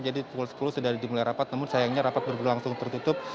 jadi pukul sepuluh sudah dimulai rapat namun sayangnya rapat berbulu langsung tertutup